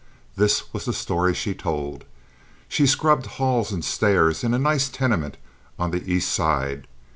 This was the story she told: She scrubbed halls and stairs in a nice tenement on the East Side.